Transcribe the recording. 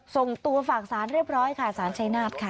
ส่งตัวฝากสารเรียบร้อยค่ะสารชายนาฏค่ะ